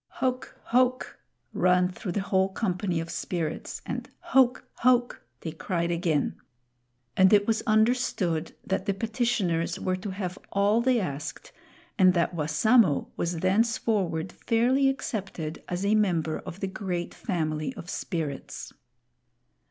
"Hoke! hoke!" ran though the whole company of Spirits, and "Hoke! hoke!" they cried again. And it was understood that the petitioners were to have all they asked, and that Wassamo was thenceforward fairly accepted as a member of the great family of Spirits.